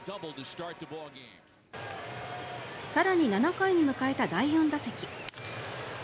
更に７回に迎えた第４打席。